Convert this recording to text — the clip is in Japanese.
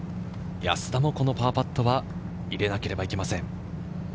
安田もこのパーパットは入れなければいけません。